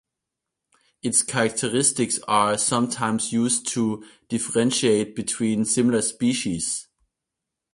Its characteristics are sometimes used to differentiate between similar species.